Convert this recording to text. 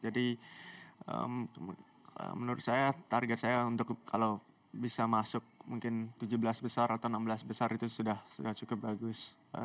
jadi menurut saya target saya untuk kalau bisa masuk mungkin tujuh belas besar atau enam belas besar itu sudah cukup bagus